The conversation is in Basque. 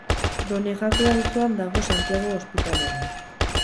Done Jakue auzoan dago Santiago Ospitalea.